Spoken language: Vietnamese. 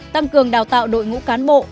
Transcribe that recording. tăng cường đào tạo đội ngũ cán bộ